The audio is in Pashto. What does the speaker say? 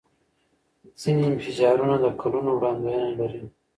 ځینې انفجارونه د کلونو وړاندوینه لري.